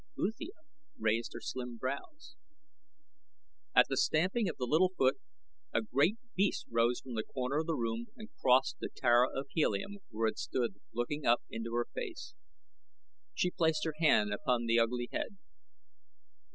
Uthia raised her slim brows. At the stamping of the little foot, a great beast rose from the corner of the room and crossed to Tara of Helium where it stood looking up into her face. She placed her hand upon the ugly head.